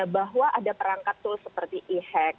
bahwa ada perangkat tools seperti e hack